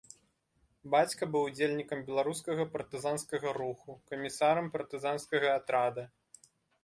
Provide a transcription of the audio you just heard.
Бацька быў удзельнікам беларускага партызанскага руху, камісарам партызанскага атрада.